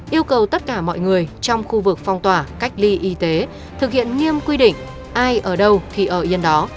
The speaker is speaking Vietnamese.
yêu cầu tất cả mọi người trong khu vực phong tỏa cách ly y tế thực hiện nghiêm quy định ai ở đâu thì ở yên đó